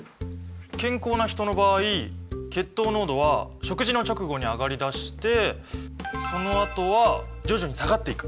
健康な人の場合血糖濃度は食事の直後に上がりだしてそのあとは徐々に下がっていく。